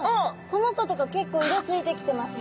この子とか結構色ついてきてます